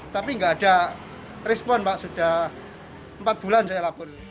tapi nggak ada respon pak sudah empat bulan saya lapor